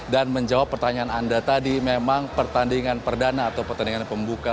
dan menjawab pertanyaan anda tadi memang pertandingan perdana atau pertandingan pembuka